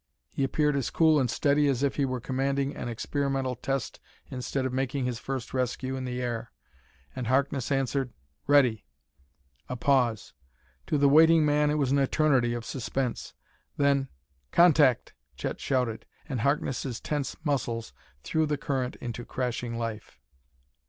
He appeared as cool and steady as if he were commanding on an experimental test instead of making his first rescue in the air. And Harkness answered: "Ready." A pause. To the waiting man it was an eternity of suspense. Then, "Contact!" Chet shouted, and Harkness' tense muscles threw the current into crashing life.